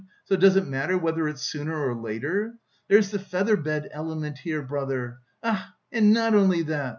So does it matter whether it's sooner or later? There's the feather bed element here, brother ach! and not only that!